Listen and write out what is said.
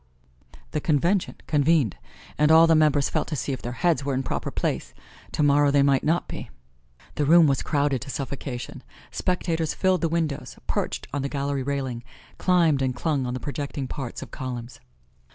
The Convention convened and all the members felt to see if their heads were in proper place tomorrow they might not be. The room was crowded to suffocation. Spectators filled the windows, perched on the gallery railing, climbed and clung on the projecting parts of columns.